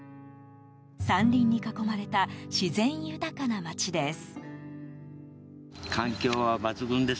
山林に囲まれた自然豊かな町です。